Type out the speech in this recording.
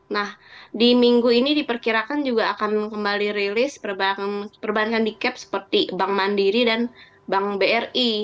nah di minggu ini diperkirakan juga akan kembali rilis perbankan dicap seperti bank mandiri dan bank bri